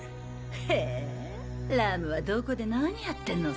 へぇＲＵＭはどこで何やってんのさ？